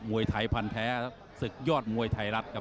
วยไทยพันธ์แท้ศึกยอดมวยไทยรัฐครับ